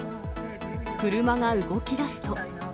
車が動きだすと。